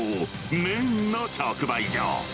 麺の直売所。